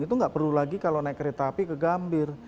itu nggak perlu lagi kalau naik kereta api ke gambir